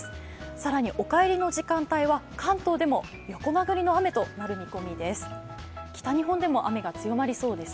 さらにお帰りの時間帯では関東でも横殴りの雨となりそうです。